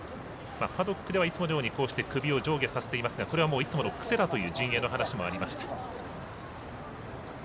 パドックではいつものようにクビを上下させていますがこれはいつもの癖だという陣営の話もありました。